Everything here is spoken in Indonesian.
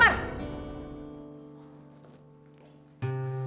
nanti aku exercising